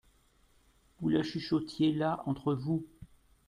Vous la chuchotiez là entre vous.